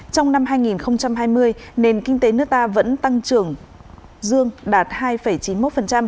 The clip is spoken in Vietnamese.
trong năm hai nghìn hai mươi nền kinh tế nước ta vẫn tăng trưởng dương đạt hai chín mươi một